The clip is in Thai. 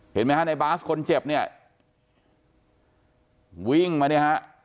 เห็นไหมฮะในบาสคนเจ็บเนี่ยวิ่งมาเนี่ยฮะ